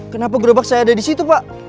kenapa gerobak saya ada disitu pak